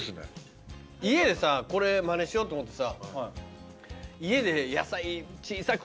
家でこれまねしようと思って。